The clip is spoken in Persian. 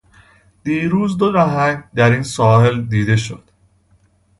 دیروز دو نهنگ در این ساحل دیده شد.